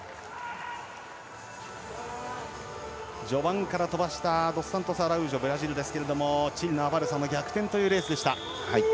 序盤から飛ばしたドスサントスアラウージョブラジルですがチリのアバルサの逆転というレースでした。